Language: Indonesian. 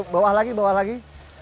bawah lagi bawah lagi